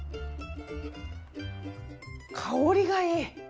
香りがいい。